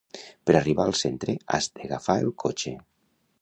Per arribar al centre has d'agafar el cotxe.